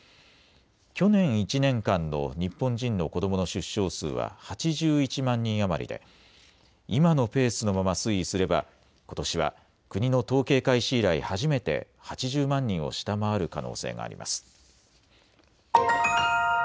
去年１年間の日本人の子どもの出生数は８１万人余りで今のペースのまま推移すればことしは国の統計開始以来初めて８０万人を下回る可能性があります。